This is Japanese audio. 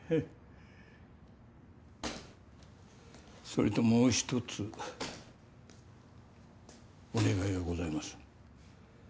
それともうひとつお願いがございます。